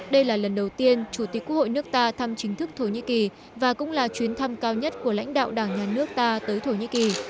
đây là lần đầu tiên chủ tịch quốc hội nước ta thăm chính thức thổ nhĩ kỳ và cũng là chuyến thăm cao nhất của lãnh đạo đảng nhà nước ta tới thổ nhĩ kỳ